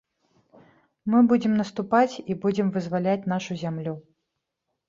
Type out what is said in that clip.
Мы будзем наступаць і будзем вызваляць нашу зямлю.